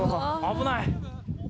危ない。